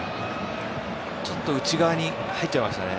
ちょっと内側に入っちゃいましたね。